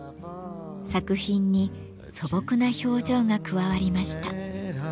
作品に素朴な表情が加わりました。